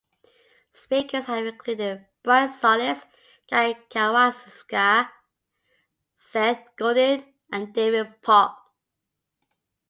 Speakers have included Brian Solis, Guy Kawasaki, Seth Godin, and David Pogue.